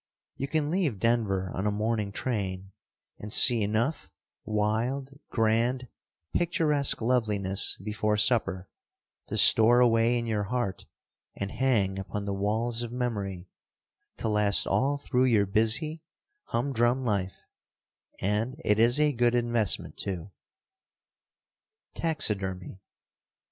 You can leave Denver on a morning train and see enough wild, grand, picturesque loveliness before supper, to store away in your heart and hang upon the walls of memory, to last all through your busy, humdrum life, and it is a good investment, too. Taxidermy.